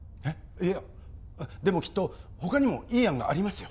いやでもきっと他にもいい案がありますよ